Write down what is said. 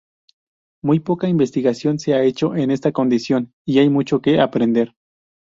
Muy poca investigación se ha hecho en esta condición, y hay mucho que aprender.